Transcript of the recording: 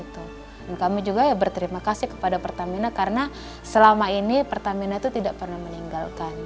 dan kami juga berterima kasih kepada pertamina karena selama ini pertamina itu tidak pernah meninggalkan kami